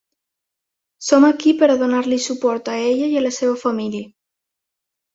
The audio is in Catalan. Som aquí per a donar-li suport a ella i a la seva família.